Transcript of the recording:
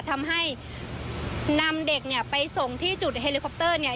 ทำให้นำเด็กเนี่ยไปส่งที่จุดเฮลิคอปเตอร์เนี่ย